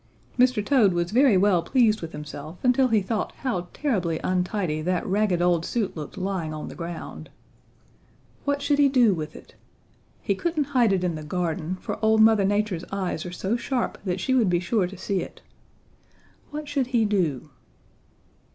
"Mr. Toad was very well pleased with himself until he thought how terribly untidy that ragged old suit looked lying on the ground. What should he do with it? He couldn't hide it in the garden, for old Mother Nature's eyes are so sharp that she would be sure to see it. What should he do?